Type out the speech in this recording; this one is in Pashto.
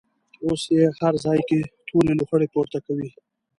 اوس یې هر ځای کې تورې لوخړې پورته کوي.